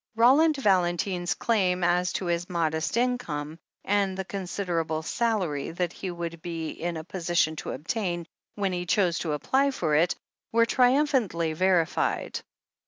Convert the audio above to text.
Roland Valentine's claims as to his modest income, and the considerable salary that he would be in a position to obtain when he chose to apply for it, were triumphantly verified.